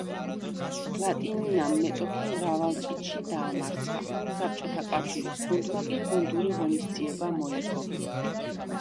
ლატინინამ მეტოქე მრავალჭიდში დაამარცხა, საბჭოთა კავშირის გუნდმა კი გუნდური ღონისძიება მოიგო.